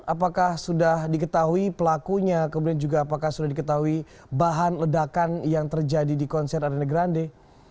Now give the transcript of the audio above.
apakah sudah diketahui pelakunya kemudian juga apakah sudah diketahui bahan ledakan yang terjadi di konser arena grande